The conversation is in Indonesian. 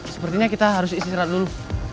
sepertinya kita harus istirahat dulu